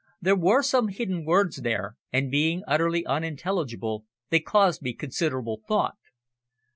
There were some hidden words there, and being utterly unintelligible, they caused me considerable thought.